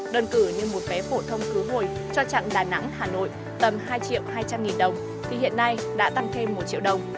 đơn cử như một vé phổ thông cứu hồi cho trạng đà nẵng hà nội tầm hai hai trăm linh đồng thì hiện nay đã tăng thêm một triệu đồng